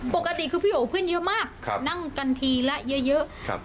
ปกติคือพี่บอกว่าเพื่อนเยอะมากครับนั่งกันทีแล้วเยอะครับ